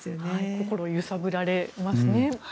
心揺さぶられますね。